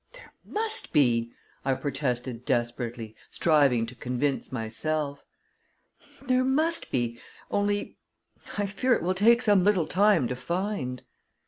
"There must be!" I protested desperately, striving to convince myself. "There must be; only, I fear, it will take some little time to find."